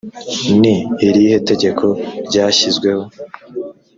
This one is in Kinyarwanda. ni irihe tegeko ryashyizweho?